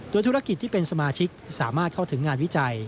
ธุรกิจที่เป็นสมาชิกสามารถเข้าถึงงานวิจัย